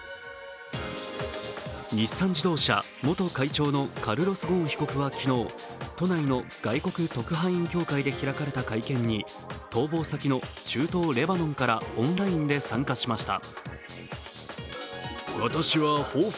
日産自動車元会長のカルロス・ゴーン被告は昨日都内の外国特派員協会で開かれた会見に逃亡先の中東・レバノンからオンラインで参加しました。